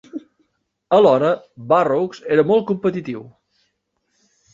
Alhora, Burroughs era molt competitiu.